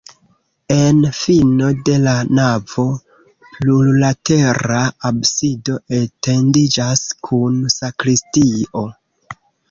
En fino de la navo plurlatera absido etendiĝas kun sakristio.